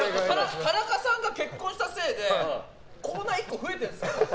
田中さんが結婚したせいでコーナー１個増えてるんですよ。